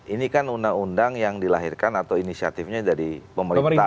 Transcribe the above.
ini kan undang undang yang dilahirkan atau inisiatifnya dari pemerintah